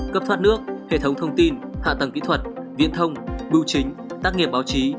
cấp thoát nước hệ thống thông tin hạ tầng kỹ thuật viễn thông bưu chính tác nghiệp báo chí